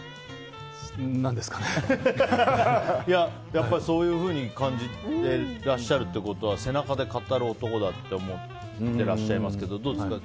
やっぱ、そういうふうに感じていらっしゃるということは背中で語る男だと思ってらっしゃいますけどどうですか？